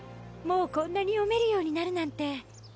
もうこんなに読めるようになるなんて。